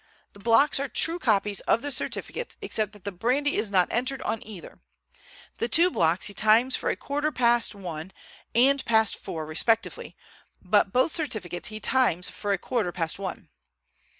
The blocks are true copies of the certificates except that the brandy is not entered on either. The two blocks he times for a quarter past one and past four respectively, but both certificates he times for a quarter past one.